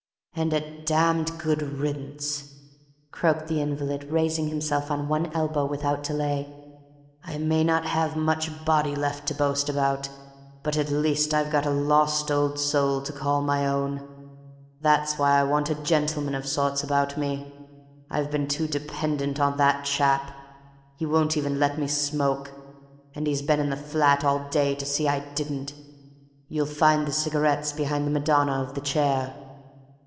"And a damned good riddance!" croaked the invalid, raising himself on one elbow without delay. "I may not have much body left to boast about, but at least I've got a lost old soul to call my own. That's why I want a gentleman of sorts about me. I've been too dependent on that chap. He won't even let me smoke, and he's been in the flat all day to see I didn't. You'll find the cigarettes behind the Madonna of the Chair."